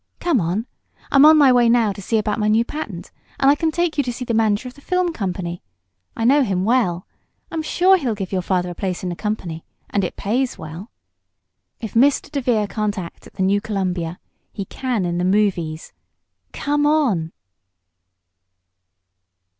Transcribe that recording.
"Come on! I'm on my way now to see about my new patent, and I can take you to the manager of the film company. I know him well. I'm sure he'll give your father a place in the company, and it pays well. If Mr. DeVere can't act at the New Columbia he can in the movies! Come on!"